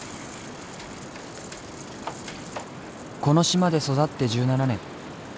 この島で育って１７年。